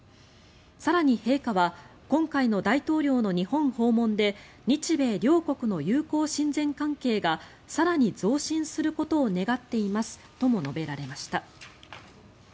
更に、陛下は今回の大統領の日本訪問で日米両国の友好親善関係が更に増進することを願っていますとも述べられました。